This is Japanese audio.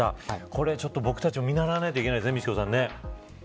これ、ちょっと僕たちも見習わないといけないですね。